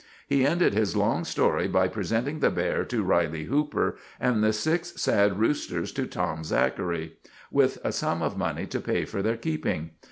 He ended his long story by presenting the bear to Riley Hooper, and the six sad roosters to Tom Zachary, with a sum of money to pay for their keeping.